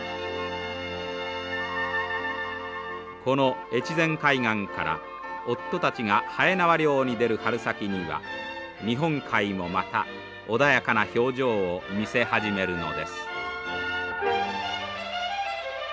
この越前海岸から夫たちがはえなわ漁に出る春先には日本海もまた穏やかな表情を見せ始めるのです。